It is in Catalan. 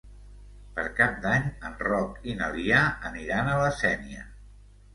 Per Cap d'Any en Roc i na Lia aniran a la Sénia.